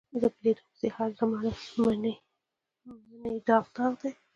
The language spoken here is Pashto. په لیدو پسې هر زړه منې داغ داغ دی